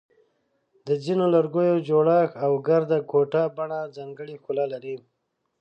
د ځینو لرګیو جوړښت او ګرده ګوټه بڼه ځانګړی ښکلا لري.